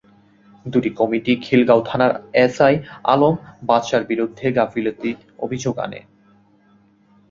দুটি কমিটি খিলগাঁও থানার এসআই আলম বাদশার বিরুদ্ধে গাফিলতির অভিযোগ আনে।